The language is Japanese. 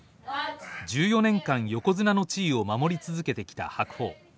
１４年間横綱の地位を守り続けてきた白鵬。